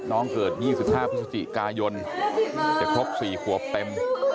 เกิด๒๕พฤศจิกายนจะครบ๔ขวบเต็ม